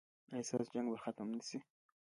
ایا ستاسو جنګ به ختم نه شي؟